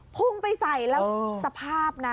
พุ่งไปใส่แล้วสภาพนะ